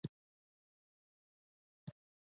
آواز لوړ کړئ